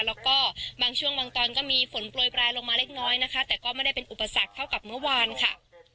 แล้วก็บางช่วงบางตอนก็มีฝนโปรยปลายลงมาเล็กน้อยนะคะแต่ก็ไม่ได้เป็นอุปสรรคเท่ากับเมื่อวานค่ะ